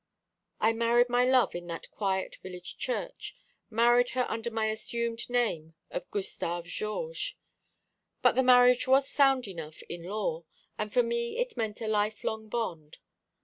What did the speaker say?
"I married my love in that quiet village church married her under my assumed name of Gustave Georges; but the marriage was sound enough in law, and for me it meant a life long bond.